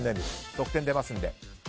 得点出ますので。